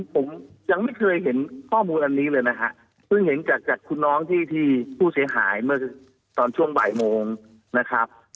ผมยังไม่เคยเห็นข้อมูลอันนี้เลยนะฮะเพิ่งเห็นจากคุณน้องที่ผู้เสียหายเมื่อตอนช่วงบ่ายโมงนะครับ